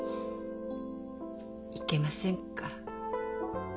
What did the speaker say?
いけませんか？